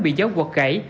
bị giấu quật gãy